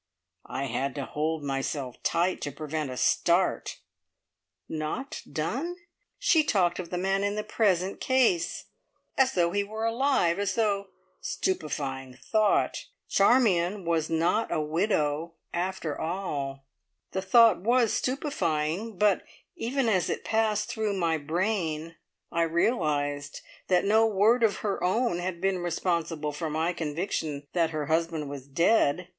I had to hold myself tight to prevent a start. Not done! She talked of the man in the present case, as though he were alive, as though stupefying thought! Charmion was not a widow after all! The thought was stupefying, but even as it passed through my brain, I realised that no word of her own had been responsible for my conviction that her husband was dead.